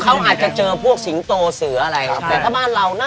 แต่ถ้าบ้านเราน่าจะเป็นพวกตะโกนส่วนเงินตัวต่ออะไรวิ่งตามสามารถวิ่งข้างหน้า